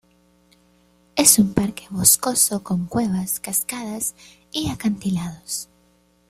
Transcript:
Es un parque boscoso con cuevas, cascadas y acantilados.